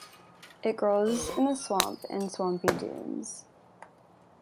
It grows in the swamp and swampy dunes.